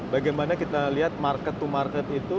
bagaimana kita lihat market to market itu